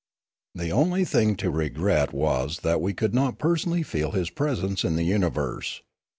The only thing to regret was that we could not personally feel his presence in the universe.